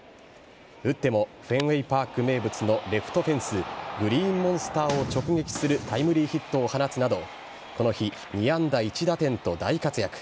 打ってもフェンウェイパーク名物のレフトフェンスグリーンモンスターを直撃するタイムリーヒットを放つなどこの日、２安打１打点と大活躍。